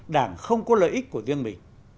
đảng không có lợi ích của riêng mình